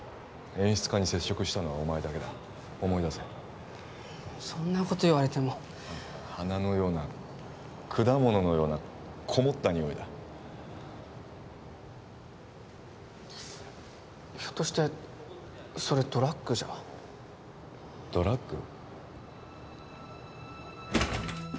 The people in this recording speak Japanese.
演出家に接触したのはお前だけだ思い出せそんなこと言われても花のような果物のようなこもった匂いだひょっとしてそれドラッグじゃドラッグ？